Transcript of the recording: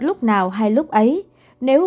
lúc nào hay lúc ấy nếu